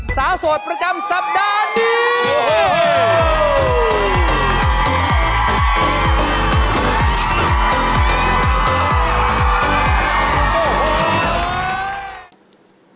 สาวโสดประจำสัปดาห์นี้